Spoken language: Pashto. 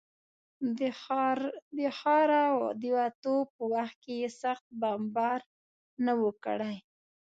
د ښاره د وتو په وخت کې یې سخت بمبار نه و کړی.